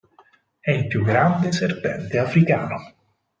È il più grande serpente africano.